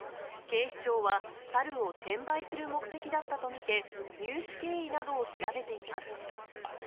警視庁は、猿を転売する目的だったと見て、入手経緯などを調べています。